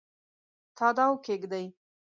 تاداو کښېږدي